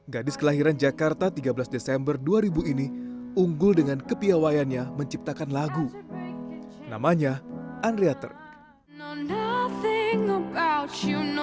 gadis kelahiran jakarta tiga belas desember dua ribu ini unggul dengan kepiawayannya menciptakan lagu namanya andreater